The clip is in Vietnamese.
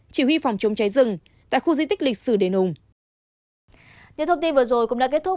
chỉ huy phòng chống cháy rừng tại khu di tích lịch sử đền hùng